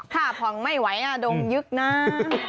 ถ้าผ่อนไม่ไหวอ่ะดงยึกน้ำ